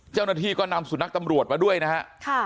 เจ้าหน้าที่ก็นำสุนัขตำรวจมาด้วยนะฮะ